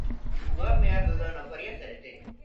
Munduan behar dudan oparia zarete.